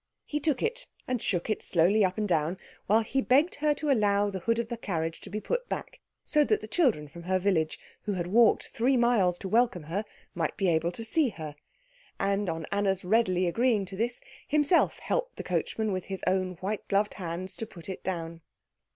He took it, and shook it slowly up and down, while he begged her to allow the hood of the carriage to be put back, so that the children from her village, who had walked three miles to welcome her, might be able to see her; and on Anna's readily agreeing to this, himself helped the coachman with his own white gloved hands to put it down.